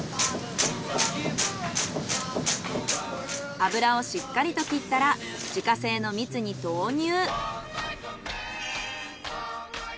油をしっかりと切ったら自家製の蜜に投入。